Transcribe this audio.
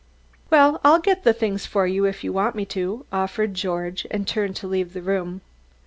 "Well, I'll get the things for you if you want me to," offered George and turned to leave the room.